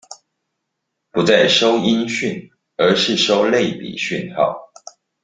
不再收音訊而是收類比訊號